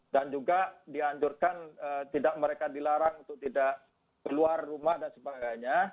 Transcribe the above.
dan juga dianjurkan tidak mereka dilarang untuk tidak keluar rumah dan sebagainya